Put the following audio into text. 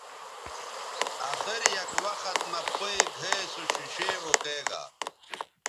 اخر یک وخت مہ پئیں گھئے سو ݜیݜے اوکیگا